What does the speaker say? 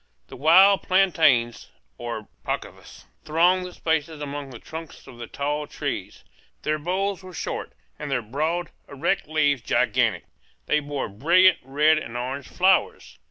The wild plantains, or pacovas, thronged the spaces among the trunks of the tall trees; their boles were short, and their broad, erect leaves gigantic; they bore brilliant red and orange flowers.